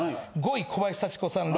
５位小林幸子さん。